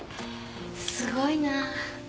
すごいな。